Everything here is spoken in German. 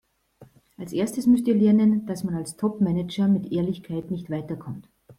Als Erstes müsst ihr lernen, dass man als Topmanager mit Ehrlichkeit nicht weiterkommt.